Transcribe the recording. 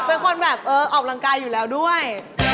เป็นคนแบบเออออกกำลังกายอยู่แล้วด้วย